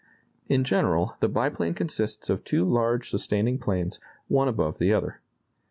In general, the biplane consists of two large sustaining planes, one above the other.